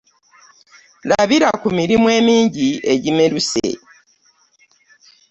Labira ku mirimu emingi egimeruse.